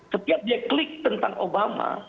setiap dia klik tentang obama